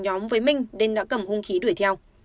nhóm với minh nên đã cầm hung khí đuổi theo